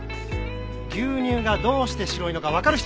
牛乳がどうして白いのかわかる人？